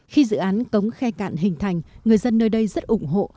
khi dự án cống khe cạn hình thành người dân nơi đây rất ủng hộ